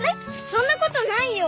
そんなことないよ。